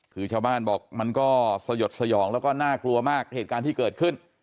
คือชาวบ้านบอกมันก็สยดสยองแล้วก็น่ากลัวมากเหตุการณ์ที่เกิดขึ้น